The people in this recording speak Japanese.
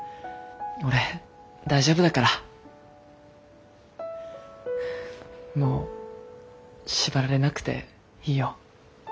俺大丈夫だからもう縛られなくていいよ。